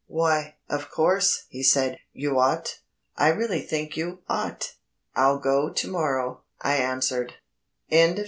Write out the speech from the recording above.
"Why, of course," he said, "you ought. I really think you ought." "I'll go to morrow," I answered.